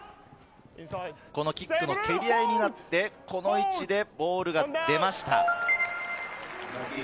キックの蹴り合いになって、この位置でボールが出ました。